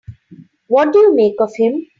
What do you make of him?